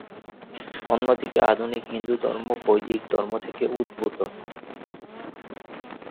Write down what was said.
অন্যদিকে আধুনিক হিন্দুধর্ম বৈদিক ধর্ম থেকে উদ্ভূত।